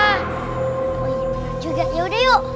oh iya bener juga yaudah yuk